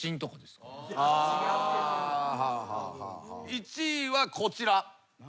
１位はこちら。